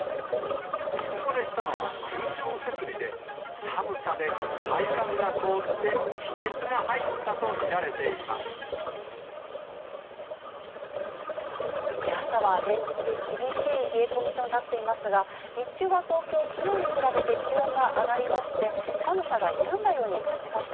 水漏れしたのは空調設備で、寒さで配管が凍って、亀裂が入っ朝は連日、厳しい冷え込みとなっていますが、日中は東京、きのうに比べて気温が上がりまして、寒さが緩んだように感じました。